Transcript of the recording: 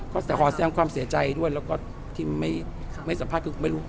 ก็แต่ขอแสดงความเสียใจด้วยแล้วก็ที่ไม่สัมภาษณ์คือไม่รู้